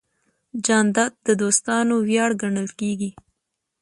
جانداد د دوستانو ویاړ ګڼل کېږي.